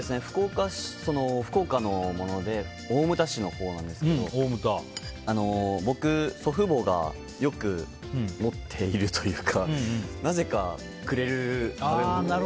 福岡のもので大牟田市のほうなんですけど僕、祖父母がよく持っているというかなぜかくれる食べ物で。